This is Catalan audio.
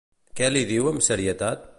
Què li diu amb serietat?